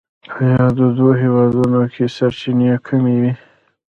په یادو دوو هېوادونو کې سرچینې کمې وې.